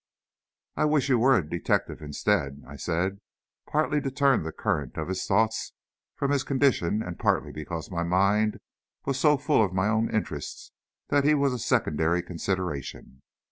"I wish you were a detective instead," I said, partly to turn the current of his thoughts from his condition and partly because my mind was so full of my own interests that he was a secondary consideration.